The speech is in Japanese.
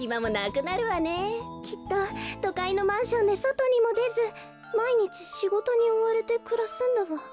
きっととかいのマンションでそとにもでずまいにちしごとにおわれてくらすんだわ。